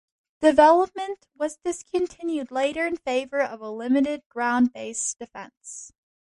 Development was discontinued later in favor of a limited ground-based defense.